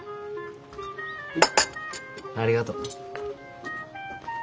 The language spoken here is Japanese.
ありがとう。